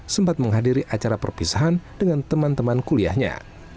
sempat menghadiri acara perpisahan dengan teman teman kuliahnya